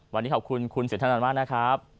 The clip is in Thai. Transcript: วันนี้ขอบคุณคุณสินธนันมากนะครับ